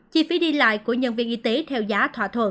chi phí đi lại của nhân viên y tế theo giá thỏa thuận